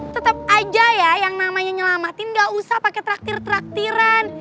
tetap aja ya yang namanya nyelamatin gak usah pakai traktir traktiran